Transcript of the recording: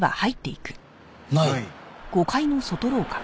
ない。